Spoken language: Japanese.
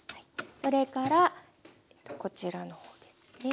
それからこちらのですね